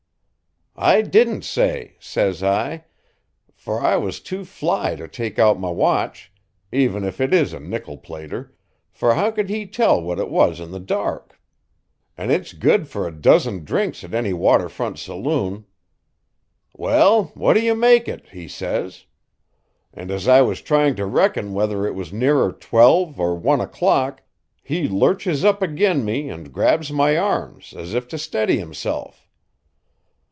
'I didn't say,' says I, for I was too fly to take out my watch, even if it is a nickel plater, for how could he tell what it was in the dark? and it's good for a dozen drinks at any water front saloon. 'Well, what do you make it?' he says; and as I was trying to reckon whether it was nearer twelve or one o'clock, he lurches up agin' me and grabs my arms as if to steady himself.